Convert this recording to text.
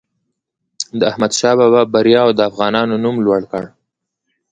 د احمدشاه بابا بریاوو د افغانانو نوم لوړ کړ.